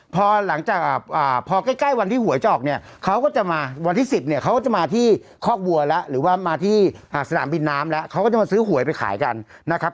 พอหลังจากพอใกล้วันที่หวยจะออกเนี่ยเขาก็จะมาวันที่๑๐เนี่ยเขาจะมาที่คอกวัวแล้วหรือว่ามาที่สนามบินน้ำแล้วเขาก็จะมาซื้อหวยไปขายกันนะครับ